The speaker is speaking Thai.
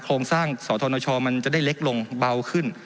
โครงสร้างสธนชมันจะได้เล็กลงเบาขึ้น